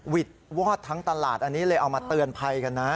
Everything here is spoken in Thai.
วิดวอดทั้งตลาดอันนี้เลยเอามาเตือนภัยกันนะ